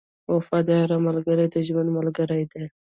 • وفادار ملګری د ژوند ملګری دی.